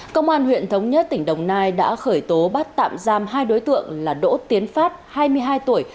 công an huyện thống nhất tỉnh đồng nai đã khởi tố bắt tạm giam hai đối tượng là đỗ tiến phát hai mươi hai tuổi